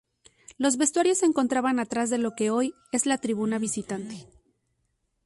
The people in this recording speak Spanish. Los vestuarios se encontraban atrás de lo que hoy es la tribuna visitante.